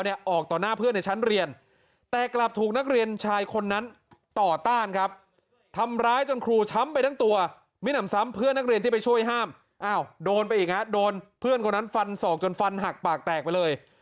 โดนไปอีกฮะโดนเพื่อนคนนั้นฟันสอกจนฟันหักปากแตกไปเลย